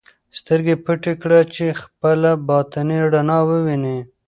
سترګې پټې کړه چې خپله باطني رڼا ووینې.